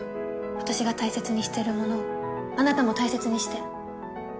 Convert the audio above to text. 私が大切にしてるものをあなたも大切にして。